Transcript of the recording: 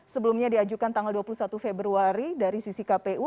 sebelumnya diajukan tanggal dua puluh satu februari dari sisi kpu